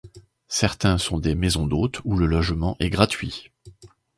Certains sont des maisons d'hôtes où le logement est gratuit.